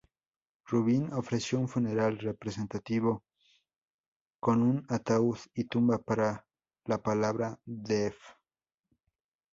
Rubin ofreció un funeral representativo con un ataúd y tumba para la palabra "def".